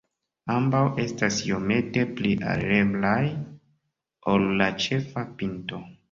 Ambaŭ estas iomete pli alireblaj ol la ĉefa pinto.